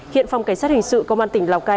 hiện phòng cảnh sát hình sự công an tỉnh lào cai